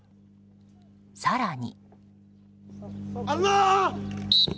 更に。